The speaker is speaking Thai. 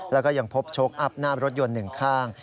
แล้วก็ยังพบโชคอัพหน้ารถยนต์หนึ่งข้าง